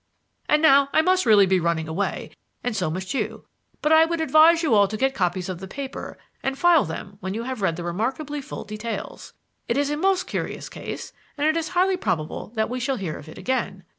"And now I must really be running away, and so must you; but I would advise you all to get copies of the paper and file them when you have read the remarkably full details. It is a most curious case, and it is highly probable that we shall hear of it again.